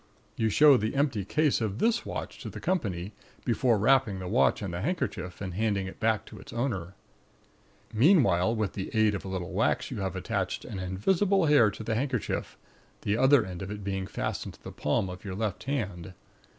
You show the empty case of this watch to the company, before wrapping the watch in the handkerchief and handing it back to its owner. Meanwhile with the aid of a little wax you have attached an invisible hair to the handkerchief, the other end of it being fastened to the palm of your left hand.